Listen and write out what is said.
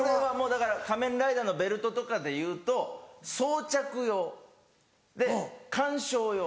だから仮面ライダーのベルトとかでいうと装着用で観賞用。